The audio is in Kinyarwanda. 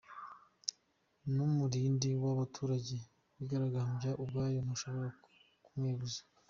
N’umurindi w’abaturage bigaragambye ubwawo ntushobora kumweguza.